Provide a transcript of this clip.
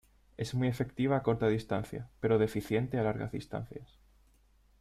Es muy efectiva a corta distancia, pero deficiente a largas distancias.